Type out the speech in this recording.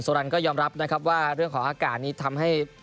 รันก็ยอมรับนะครับว่าเรื่องของอากาศนี้ทำให้